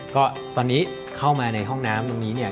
ก็ตอนนี้เข้ามาในห้องน้ำตรงนี้เนี่ย